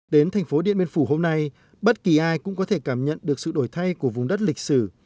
đến thành phố điện biên phủ hôm nay bất kỳ ai cũng có thể cảm nhận được sự đổi thay của vùng đất lịch sử